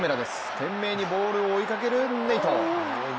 懸命にボールを追いかけるネイト。